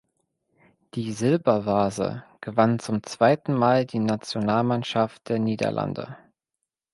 Die Silbervase gewann zum zweiten Mal die Nationalmannschaft der Niederlande.